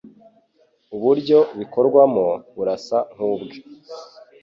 uburyo bikorwamo burasa nkubwe